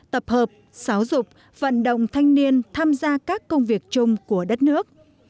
tập hợp giáo dục vận động thanh niên tham gia các công việc chung của đất nước